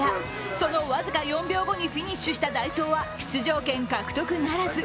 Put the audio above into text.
その僅か４秒後にフィニッシュしたダイソーは出場権獲得ならず。